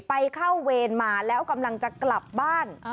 ไปเข้าเวรมาแล้วกำลังจะกลับบ้าน